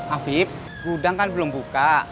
afib gudang kan belum buka